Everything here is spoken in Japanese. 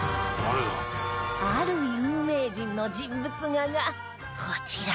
ある有名人の人物画がこちら